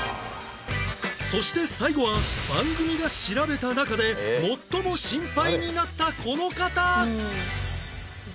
そして最後は番組が調べた中で最もシンパイになったこの方